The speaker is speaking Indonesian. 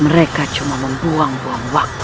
mereka cuma membuang buang waktu